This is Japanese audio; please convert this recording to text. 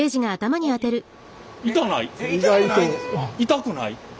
痛くない。